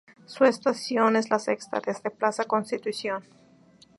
Su estación es la sexta desde Plaza Constitución.